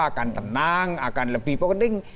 akan tenang akan lebih penting